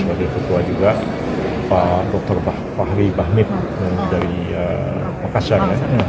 wakil ketua juga pak dr fahri bahmid yang dari makassar